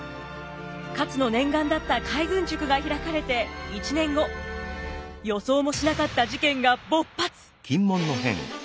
勝の念願だった海軍塾が開かれて１年後予想もしなかった事件が勃発。